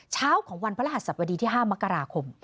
เช้าของวันพระรหัสสบดีที่๕มกราคม